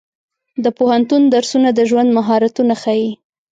د پوهنتون درسونه د ژوند مهارتونه ښيي.